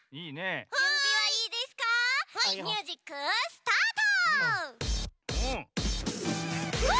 ミュージックスタート！